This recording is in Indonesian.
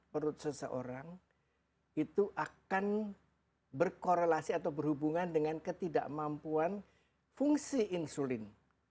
perut seseorang itu akan berkorelasi atau berhubungan dengan ketidakmampuan fungsi insulin